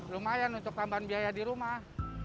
lumayan untuk tambahan biaya di rumah